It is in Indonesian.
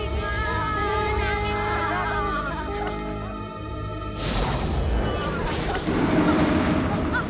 ya ampun ampun